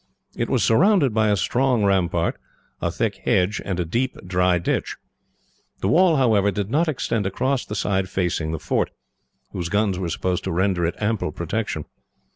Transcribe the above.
It was surrounded by a strong rampart, a thick hedge, and a deep, dry ditch. The wall, however, did not extend across the side facing the fort, whose guns were supposed to render it ample protection.